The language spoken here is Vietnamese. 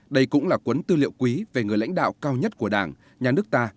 đây cũng là cuốn tư liệu quý về người lãnh đạo cao nhất của đảng nhà nước ta